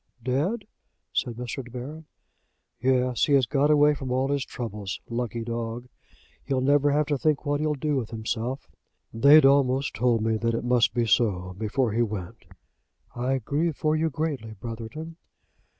"Dead!" said Mr. De Baron. "Yes. He has got away from all his troubles, lucky dog! He'll never have to think what he'll do with himself. They'd almost told me that it must be so, before he went." "I grieve for you greatly, Brotherton."